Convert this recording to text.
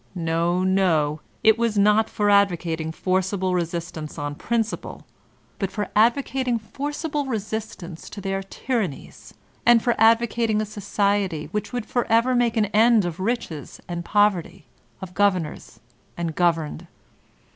No, no; it was not for ad vocating forcible resistance on principle, but for ad vocating forcible resistance to their tyrannies, and for advocating a society which wonld forever make an end of riches and poverty, of governors and governed.